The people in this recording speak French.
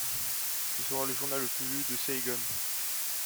Ce sera le journal le plus lu de Saïgon.